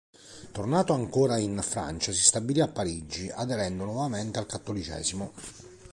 Tornato ancora in Francia, si stabilì a Parigi, aderendo nuovamente al cattolicesimo.